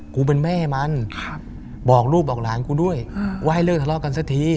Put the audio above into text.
กูเป็นแม่มันบอกลูกบอกหลานกูด้วยว่าให้เลิกทะเลาะกันสักที